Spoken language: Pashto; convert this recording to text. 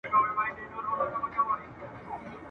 زه به دي په خیال کي زنګېدلی در روان یمه !.